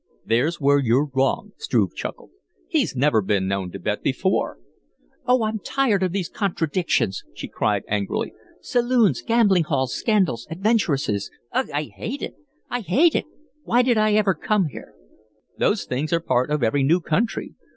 "There's where you're wrong," Struve chuckled. "He's never been known to bet before." "Oh, I'm tired of these contradictions!" she cried, angrily. "Saloons, gambling halls, scandals, adventuresses! Ugh! I hate it! I HATE it! Why did I ever come here?" "Those things are a part of every new country.